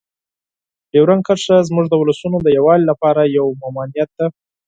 ډیورنډ کرښه زموږ د ولسونو د یووالي لپاره یوه ممانعت ده.